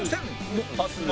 のはずが